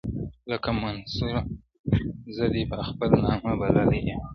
لکه منصور زه دي په خپل نامه بللی یمه،